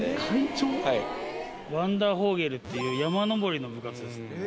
ワンダーフォーゲルっていう山登りの部活ですね。